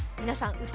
皆さん